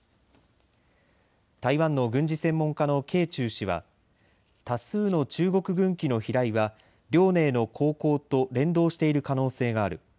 台湾の軍事専門家の掲仲氏は多数の中国軍機の飛来は遼寧の航行と連動している可能性がある。